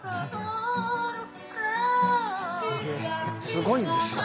すごいんですよ。